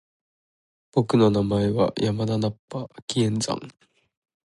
僕の名前は山田ナッパ！気円斬！